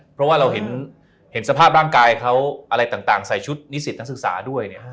เพราะว่าเราเห็นสภาพร่างกายเขาอะไรต่างใส่ชุดนิสิตนักศึกษาด้วยเนี่ย